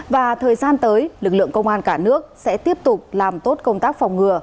và thời gian tới lực lượng công an cả nước sẽ tiếp tục làm tốt công tác phòng ngừa